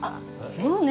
そうね。